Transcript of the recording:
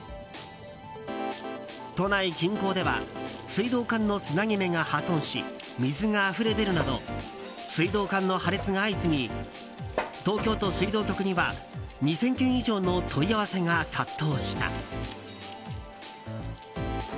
都内近郊では水道管のつなぎ目が破損し水があふれ出るなど水道管の破裂が相次ぎ東京都水道局には２０００件以上の問い合わせが殺到した。